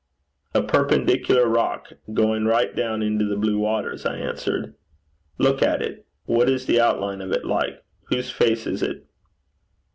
'A perpendicular rock, going right down into the blue waters,' I answered. 'Look at it: what is the outline of it like? Whose face is it?'